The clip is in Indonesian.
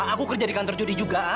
aku kerja di kantor judi juga